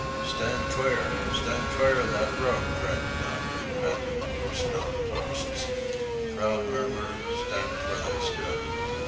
"Stand clear! Stand clear of that rope!" cried the dockmen, bending over stone posts. The crowd murmured, stamped where they stood.